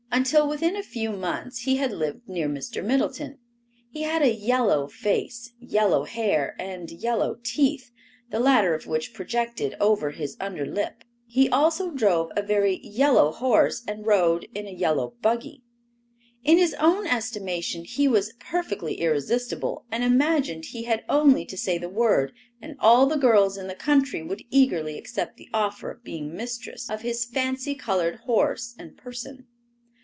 Until within a few months he had lived near Mr. Middleton. He had a yellow face, yellow hair and yellow teeth, the latter of which projected over his under lip. He also drove a very yellow horse and rode in a yellow buggy. In his own estimation he was perfectly irresistible, and imagined he had only to say the word and all the girls in the country would eagerly accept the offer of being mistress of his fancy colored horse and person.